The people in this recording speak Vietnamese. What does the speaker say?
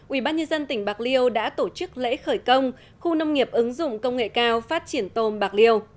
ubnd tỉnh bạc liêu đã tổ chức lễ khởi công khu nông nghiệp ứng dụng công nghệ cao phát triển tôm bạc liêu